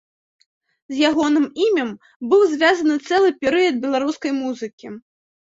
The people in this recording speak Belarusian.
З ягоным імем быў звязаны цэлы перыяд беларускай музыкі.